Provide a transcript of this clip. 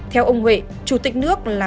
theo ông huệ chủ tịch nước là